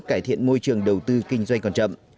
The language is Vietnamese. cải thiện môi trường đầu tư kinh doanh còn chậm